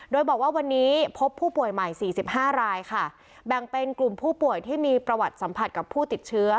โดยบอกว่าวันนี้พบผู้ป่วยใหม่๔๕รายค่ะแบ่งเป็นกลุ่มผู้ป่วยที่มีประวัติสัมผัสกับผู้ติดเชื้อ